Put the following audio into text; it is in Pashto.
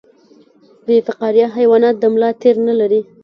بې فقاریه حیوانات د ملا تیر نلري